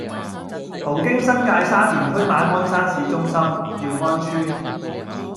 途經新界沙田區馬鞍山市中心、耀安邨、